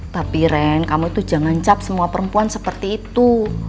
tapiren kamu itu jangan cap semua perempuan seperti itu